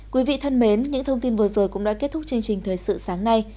quý vị thân mến những thông tin vừa rồi cũng đã kết thúc chương trình thời sự sáng nay